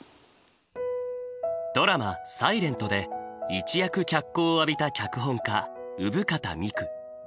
ドラマ「ｓｉｌｅｎｔ」で一躍脚光を浴びた脚本家生方美久。